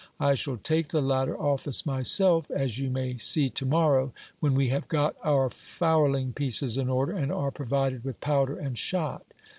I shall take the latter office myself, as you may see to morrow, when we have got our fowling pieces in order, and are provided with powder and shot.